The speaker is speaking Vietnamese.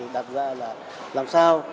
đạt ra là làm sao